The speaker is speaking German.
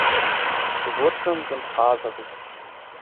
Die Wurzeln sind faserig.